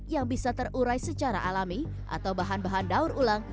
yang bisa terurai secara alami atau bahan bahan daur ulang